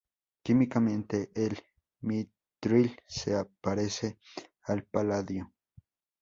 Químicamente el Mithril se parece al paladio.